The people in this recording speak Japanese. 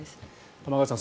玉川さん